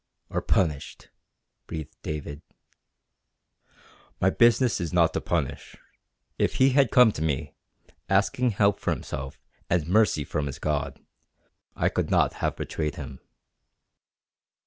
"Or punished," breathed David. "My business is not to punish. If he had come to me, asking help for himself and mercy from his God, I could not have betrayed him."